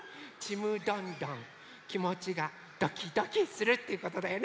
きもちがドキドキするっていうことだよね！